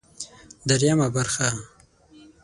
درېيمه برخه